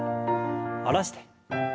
下ろして。